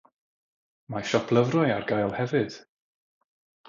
Mae siop lyfrau ar gael hefyd.